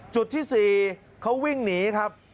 จุดที่๔เขาวิ่งหนีครับ